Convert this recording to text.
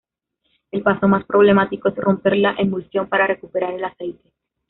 El paso más problemático es romper la emulsión para recuperar el aceite.